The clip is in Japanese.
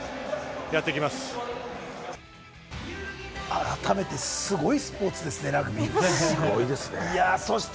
改めて、すごいスポーツですね、ラグビーって。